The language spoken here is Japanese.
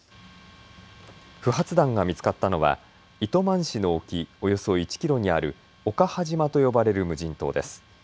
不発弾が見つかったのは糸満市の沖およそ１キロにある岡波島と呼ばれる無人島です。